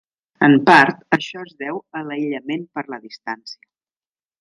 En part, això es deu a l'aïllament per la distància.